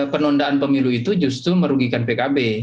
penundaan pemilu itu justru merugikan pkb